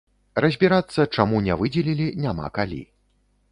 Разбірацца, чаму не выдзелілі, няма калі.